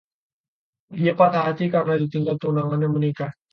Dia patah hati karena ditinggal tunangannya menikah.